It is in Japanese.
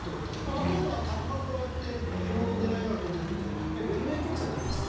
例えばタカがこうやって獲物を狙いながら飛んでく時はベルヌーイ曲線になりますもんね。